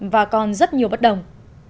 và còn rất nhiều bất đồng